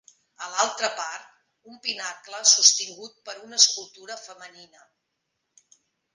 A l'altra part, un pinacle sostingut per una escultura femenina.